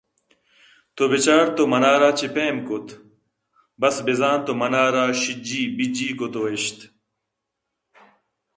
بِہ چار تو منارا چہ پیم کُت! بس بِہ زاں تو منارا شِجِّی بِجّی کُت ءُ اِشت